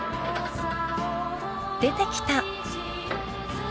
［出てきた！］